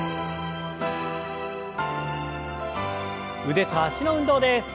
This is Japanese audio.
腕と脚の運動です。